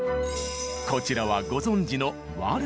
こちらはご存じのワルツ。